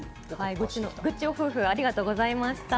ぐっちご夫婦ありがとうございました。